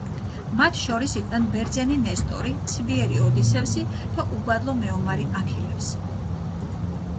მათ შორის იყვნენ ბრძენი ნესტორი, ცბიერი ოდისევსი და უბადლო მეომარი აქილევსი.